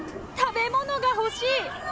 食べ物が欲しい。